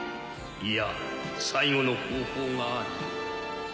いや最後の方法がある。